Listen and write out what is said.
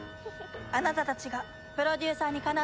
あなたたちがプロデューサーにかなうわけがない。